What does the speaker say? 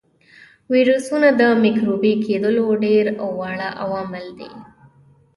ویروسونه د مکروبي کېدلو ډېر واړه عوامل دي.